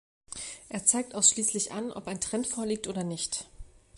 Er zeigt ausschließlich an, ob ein Trend vorliegt oder nicht.